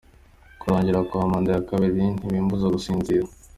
Kurangira kwa manda ya kabiri ntibimbuza gusinzira.